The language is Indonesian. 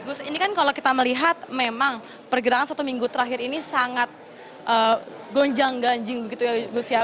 gus ini kan kalau kita melihat memang pergerakan satu minggu terakhir ini sangat gonjang ganjing begitu ya gus ya